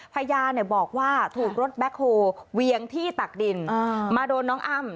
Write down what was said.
พยานบอกว่าถูกรถแบ็คโฮเวียงที่ตักดินมาโดนน้องอ้ำ